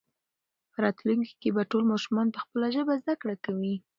په راتلونکي کې به ټول ماشومان په خپله ژبه زده کړه کوي.